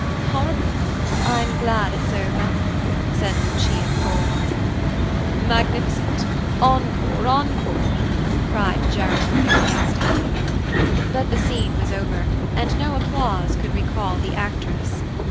"Horrible! I'm glad it's over," said Lucia coldly. "Magnificent! Encore! Encore!" cried Gerald enthusiastically. But the scene was over, and no applause could recall the actress.